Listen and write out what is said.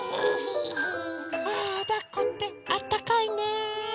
ああだっこってあったかいね。ね。